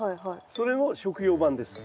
それの食用版です。